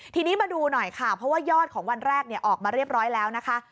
ทีนี้มาดูหน่อยค่ะเพราะว่ายอดของวันแรกออกมาเรียบร้อยแล้วนะคะ